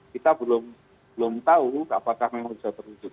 kita belum tahu apakah memang bisa terwujud